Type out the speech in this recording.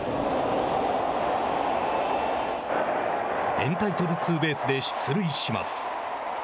エンタイトルツーベースで出塁します。